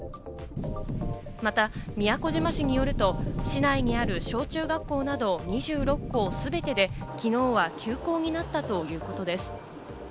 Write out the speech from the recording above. また宮古島市によると、市内にある小・中学校など２６校全てで昨日は休校になったということです。